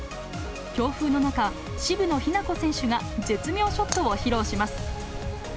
強風の中、渋野日向子選手が絶妙ショットを披露します。